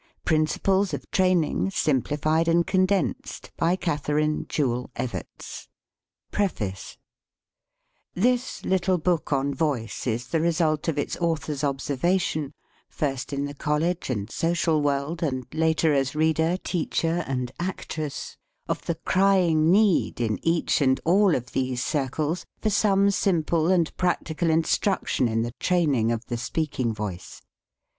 Published October, 1908. 'RINTED IN THE UNITED STATES OF AMERIC D Q PREFACE T^HIS little book on voice is the result of 1 its author's observation first in the college and social world, and later as reader, teacher, and actress of the crying need, in each and all of these circles, for some simple and practical instruction in the training of the speaking voice.